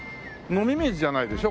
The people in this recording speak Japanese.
飲み水じゃないでしょ？